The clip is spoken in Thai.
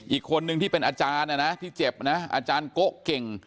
อีกคนนึงที่เป็นอาจารย์นะนะที่เจ็บนะอาจารย์โกะเก่ง